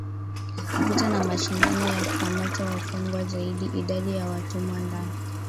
vita na mashindano ya kukamata wafungwa zaidi Idadi ya watumwa ndani